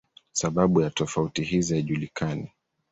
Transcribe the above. Sababu ya tofauti hizi haijulikani.